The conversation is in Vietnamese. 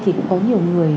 thì cũng có nhiều người